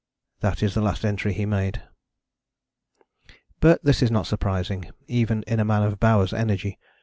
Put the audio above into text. That is the last entry he made. But this is not surprising, even in a man of Bowers' energy.